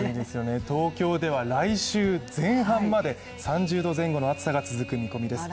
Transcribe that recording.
東京では来週前半まで３０度前後の暑さが続く見込みです。